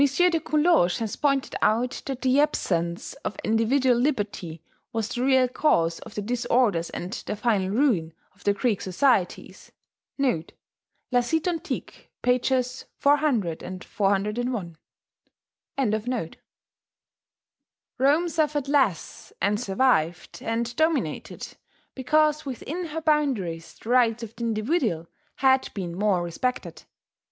de Coulanges has pointed out* that the absence of individual liberty was the real cause of the disorders and the final ruin of the Greek societies. [*La Cite Antique. pp, 400 401.] Rome suffered less, and survived, and dominated, because within her boundaries the rights of the individual had been more respected....